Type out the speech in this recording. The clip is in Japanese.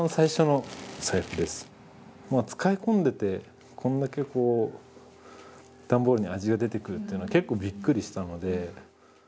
もう使い込んでてこんだけこう段ボールに味が出てくるっていうのは結構びっくりしたので。